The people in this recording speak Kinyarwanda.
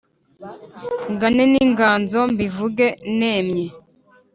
ngane n’inganzo mbivuge nemye,